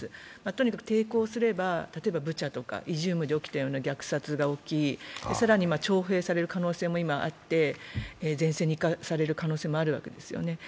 とにかく抵抗すれば、例えばブチャとかイジュームで起きたような虐殺が起き、更に徴兵される可能性も今、あって、前線に行かされる可能性もあるわけですよね。